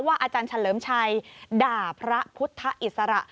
อาจารย์เฉลิมชัยด่าพระพุทธอิสระ